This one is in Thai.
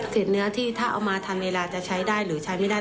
เนื้อที่ถ้าเอามาทันเวลาจะใช้ได้หรือใช้ไม่ได้